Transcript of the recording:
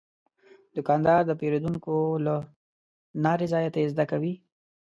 دوکاندار د پیرودونکو له نارضایتۍ زده کوي.